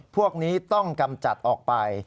พวกนี้ต้องกำจัดออกไป